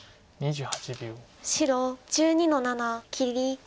白１２の七切り。